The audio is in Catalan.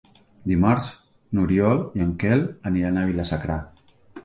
Dimarts n'Oriol i en Quel aniran a Vila-sacra.